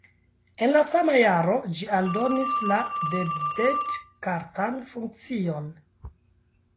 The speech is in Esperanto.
En la sama jaro ĝi aldonis la debetkartan funkcion.